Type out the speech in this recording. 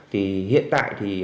thì hiện tại thì